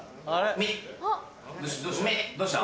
どうした？